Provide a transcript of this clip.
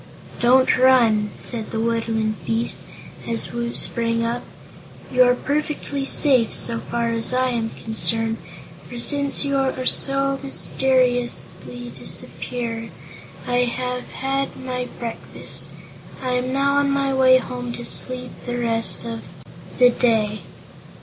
"Don't run," said the woodland beast, as Woot sprang up; "you are perfectly safe, so far as I am concerned, for since you so mysteriously disappeared I have had my breakfast. I am now on my way home to sleep the rest of the day."